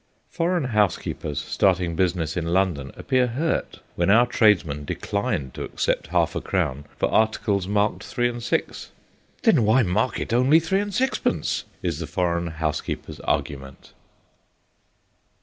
Foreign housekeepers starting business in London appear hurt when our tradesmen decline to accept half a crown for articles marked three and six. "Then why mark it only three and sixpence?" is the foreign housekeeper's argument.